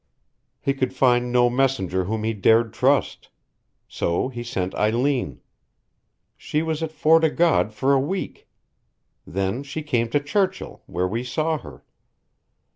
He could find no messenger whom he dared trust. So he sent Eileen. She was at Fort o' God for a week. Then she came to Churchill, where we saw her.